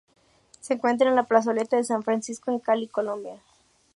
Se encuentra en la Plazoleta de San Francisco, en Cali, Colombia.